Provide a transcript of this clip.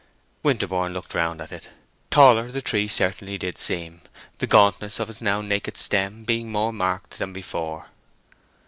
Winterborne looked round at it. Taller the tree certainly did seem, the gauntness of its now naked stem being more marked than before.